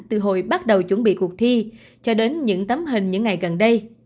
từ hội bắt đầu chuẩn bị cuộc thi cho đến những tấm hình những ngày gần đây